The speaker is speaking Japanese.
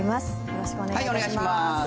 よろしくお願いします。